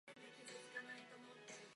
ちょっとお昼寝しようかな。